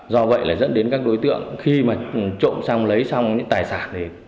do vậy dẫn đến các đối tượng khi trộm xong lấy xong những tài sản